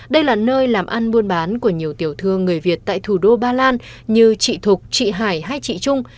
đây là nơi làm ăn buôn bán của nhiều tiểu thương người việt tại thủ đô ba lan như chị thục chị hải hay chị trung